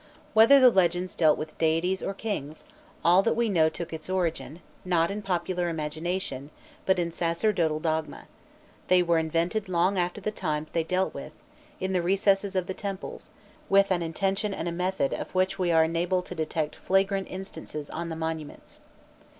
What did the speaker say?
Whether the legends dealt with deities or kings, all that we know took its origin, not in popular imagination, but in sacerdotal dogma: they were invented long after the times they dealt with, in the recesses of the temples, with an intention and a method of which we are enabled to detect flagrant instances on the monuments.